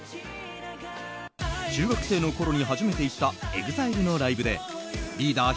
中学生のころに初めて行ったＥＸＩＬＥのライブでリーダー